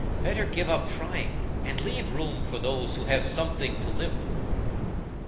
Better give up trying, and leave room for those who have something to live for."